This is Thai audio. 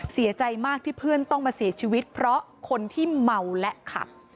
เสียใจมากที่เพื่อนต้องมาเสียชีวิตเพราะคนที่เมาและขับ